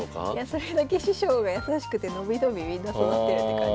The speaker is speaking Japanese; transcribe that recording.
それだけ師匠が優しくて伸び伸びみんな育ってるって感じですかね。